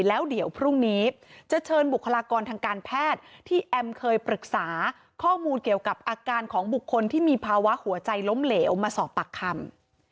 แล้วเดี๋ยวพรุ่งนี้จะเชิญบุคลากรทางการแพทย์ที่แอมเคยปรึกษาข้อมูลเกี่ยวกับอาการของบุคคลที่มีภาวะหัวใจล้มเหลวมาสอบปากคำ